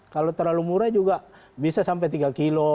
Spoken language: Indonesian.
kalau terlalu murah juga bisa sampai tiga kilo